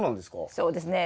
そうですね。